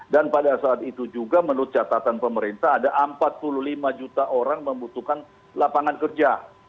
dan pada saat itu juga menurut catatan pemerintah ada empat puluh lima juta orang membutuhkan lapangan kerja